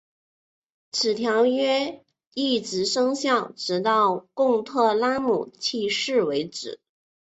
此条约一直生效直到贡特拉姆去世为止。